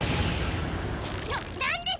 ななんです